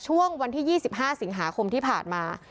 ช่วงวันที่๒๕สิงหาคมที่ผ่านมา